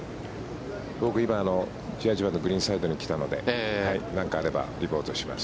僕、今グリーンサイドに来たので何かあればリポートします。